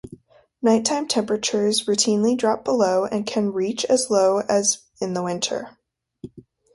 Nighttime temperatures routinely drop below and can reach as low as in the winter.